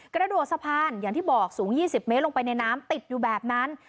กระโดดสะพานอย่างที่บอกสูง๒๐เมตรลงไปในน้ำติดอยู่แบบนั้น